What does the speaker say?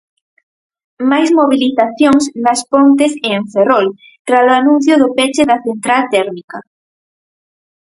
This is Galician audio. Máis mobilizacións nas Pontes e en Ferrol tralo anuncio do peche da central térmica.